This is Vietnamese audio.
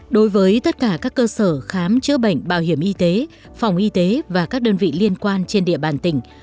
đối với tất cả các cơ sở khám chữa bệnh bảo hiểm y tế phòng y tế và các đơn vị liên quan trên địa bàn tỉnh